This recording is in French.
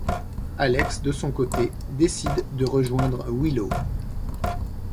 Alex, de son côté, décide de rejoindre Willow.